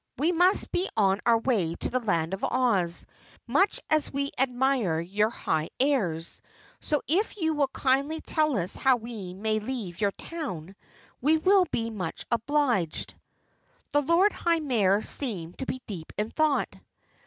We must be on our way to the Land of Oz, much as we admire your high airs. So, if you will kindly tell us how we may leave your town, we will be much obliged." The Lord High Mayor seemed to be deep in thought.